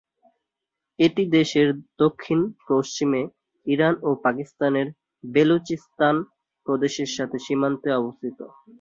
এটি দেশের দক্ষিণ-পশ্চিমে ইরান ও পাকিস্তানের বেলুচিস্তান প্রদেশের সাথে সীমান্তে অবস্থিত।